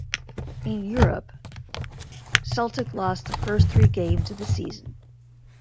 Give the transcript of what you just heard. In Europe, Celtic lost the first three games of the season.